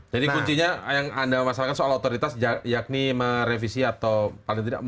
jadi kuncinya yang anda masalkan soal otoritas yakni merevisi atau paling tidak